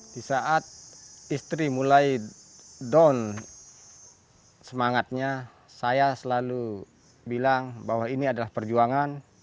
di saat istri mulai down semangatnya saya selalu bilang bahwa ini adalah perjuangan